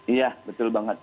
iya betul banget